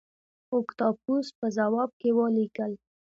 اوکتایوس په ځواب کې ولیکل